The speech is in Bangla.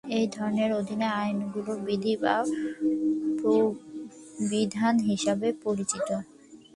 এ ধরনের অধীন আইনগুলো বিধি বা প্রবিধান হিসেবে পরিচিত।